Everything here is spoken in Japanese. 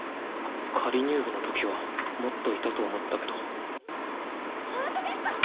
仮入部の時はもっといたと思ったけどほんとですか！？